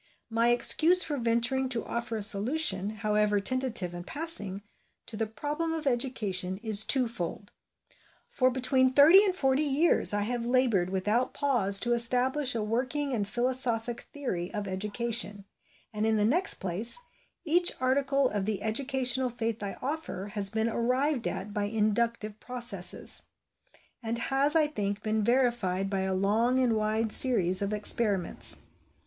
My excuse for venturing to offer a solution, however tentative and passing, to the problem of education is twofold. For between thirty and forty years I have laboured without pause to establish a working and philosophic theory of education ; and in the next place, each article of the educational faith I offer has been arrived at by inductive processes ; and has, I think, been verified by a long and wide series of experiments.